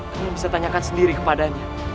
kami bisa tanyakan sendiri kepadanya